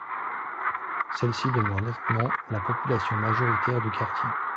Celle-ci demeure nettement la population majoritaire du quartier.